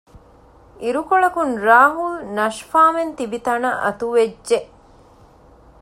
އިރުކޮޅަކުން ރާހުލް ނަޝްފާމެން ތިބި ތަނަށް އަތުވެއްޖެ